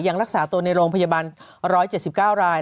รักษาตัวในโรงพยาบาล๑๗๙ราย